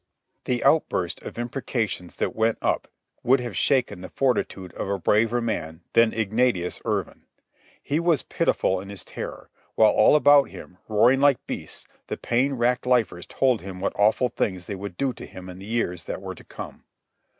The outburst of imprecations that went up would have shaken the fortitude of a braver man than Ignatius Irvine. He was pitiful in his terror, while all about him, roaring like beasts, the pain racked lifers told him what awful things they would do to him in the years that were to come.